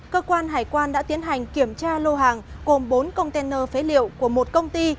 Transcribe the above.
cơ quan hải quan đã tiến hành kiểm tra lô hàng gồm bốn container phế liệu của một công ty